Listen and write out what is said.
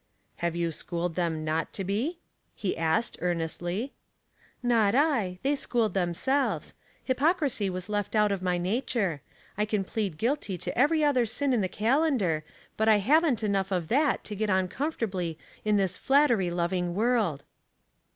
'* Have you schooled them not to be ?" he Ursked, earnestly. " Not I. They schooled themselves. Hypoc visy was left out of my nature. I can plead gtiilty to every other sin in the calendar, but I ViiVen't enough of that to get on comfortably with ^ Ihis flattery loving world."